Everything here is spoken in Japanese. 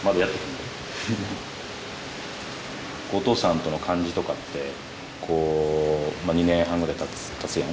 お父さんとの感じとかってこう２年半ぐらいたつよね。